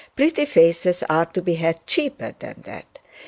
Pretty faces are to be had cheaper than that.